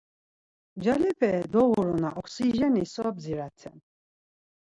Ncalepe doğuruna oksijeni so bdziraten?